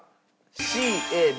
ＣＡＢ。